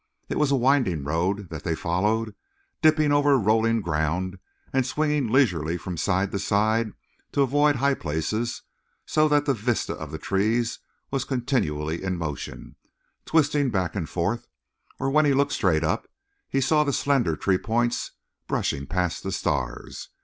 It was a winding road that they followed, dipping over a rolling ground and swinging leisurely from side to side to avoid high places, so that the vista of the trees was continually in motion, twisting back and forth; or when he looked straight up he saw the slender tree points brushing past the stars.